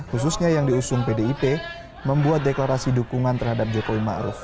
khususnya yang diusung pdip membuat deklarasi dukungan terhadap jokowi ma'ruf